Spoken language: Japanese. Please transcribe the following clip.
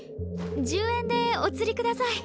１０円でおつりください。